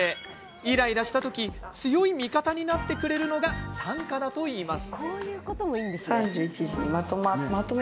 イライラした時強い味方になってくれるのが短歌だといいます。